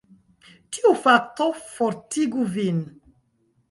Tiu fakto fortigu vin.